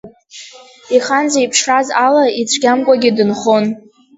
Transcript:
Ихан зеиԥшраз ала ицәгьамкәагьы дынхон.